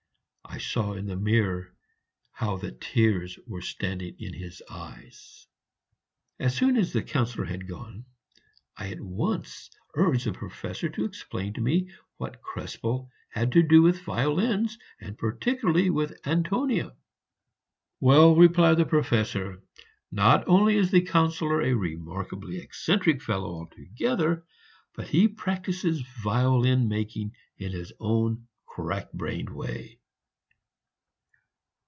I saw in the mirror how that tears were standing in his eyes. As soon as the Councillor was gone, I at once urged the Professor to explain to me what Krespel had to do with violins, and particularly with Antonia. "Well," replied the Professor, "not only is the Councillor a remarkably eccentric fellow altogether, but he practises violin making in his own crack brained way."